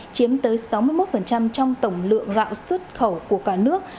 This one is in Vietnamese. chiếm tới sáu mươi một trong tổng lượng gạo xuất khẩu của cả nước